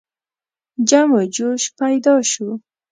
جم و جوش پیدا شو.